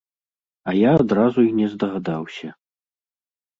А я адразу і не здагадаўся.